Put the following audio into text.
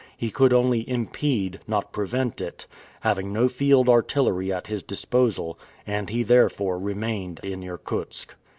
He could only impede, not prevent it, having no field artillery at his disposal, and he therefore remained in Irkutsk.